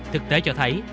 thực tế cho thấy